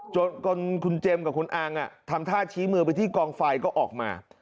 จนคุณเจมส์กับคุณอางทำท่าชี้มือไปที่กองไฟก็ออกมา